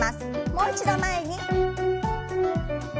もう一度前に。